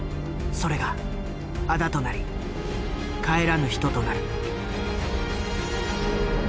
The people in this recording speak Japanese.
それがあだとなり帰らぬ人となる。